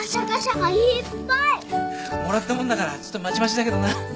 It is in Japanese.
もらった物だからちょっとまちまちだけどな。